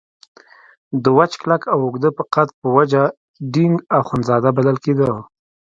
د وچ کلک او اوږده قد په وجه ډینګ اخندزاده بلل کېده.